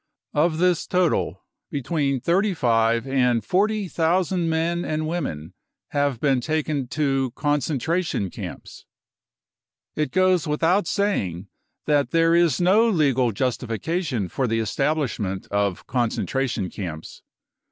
Of this total, between thirty five and forty thousand ipen and women have been taken to concentra tion camps. It goes without saying that there is no legal justification for the establishment of concentration camps.